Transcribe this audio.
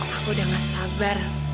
aku udah gak sabar